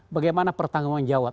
bagaimana pertanggung jawab